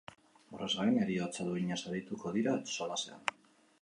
Horrez gain, heriotza duinaz arituko dira solasean.